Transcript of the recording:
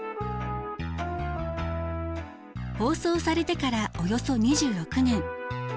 放送されてからおよそ２６年。